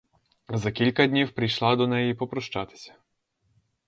За кілька днів прийшла до неї попрощатися.